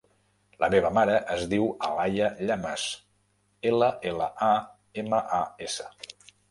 La meva mare es diu Alaia Llamas: ela, ela, a, ema, a, essa.